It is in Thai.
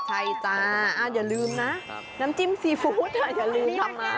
ใช่จ้าอย่าลืมนะน้ำจิ้มซีฟู้ดอย่าลืมทำมา